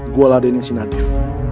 gue alah denny sinadif